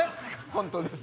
本当です。